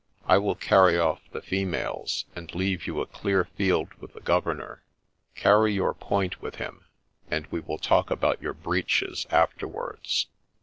— I will carry off the females, and leave you a clear field with the governor : cany your point with him, and we will talk about your breeches after wards.'